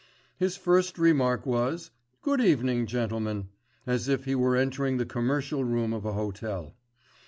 His first remark was "Good evening, gentlemen," as if he were entering the commercial room of a hotel.